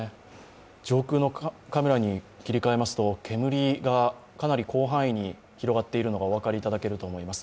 上空のカメラに切り替えますと煙がかなり広範囲に広がっているのがお分かりいただけると思います。